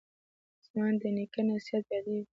زما د نیکه نصیحت یادیږي